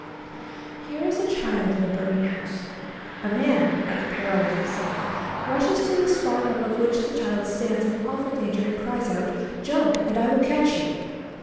Here is a child in a burning house. A man at the peril of his life rushes to the spot above which the child stands in awful danger, and cries out, "Jump, and I will catch you!"